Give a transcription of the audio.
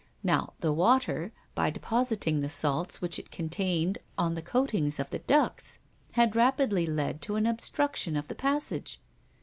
Now the water, by depositing the salts which it contained on the coatings of the ducts, had rapidly led to an obstruction of the passage.